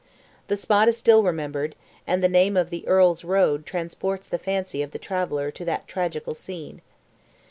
The spot is still remembered, and the name of "the Earl's road" transports the fancy of the traveller to that tragical scene.